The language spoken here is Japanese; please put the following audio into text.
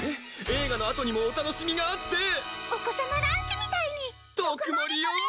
映画のあとにもお楽しみがあってお子さまランチみたいに特盛りコメ！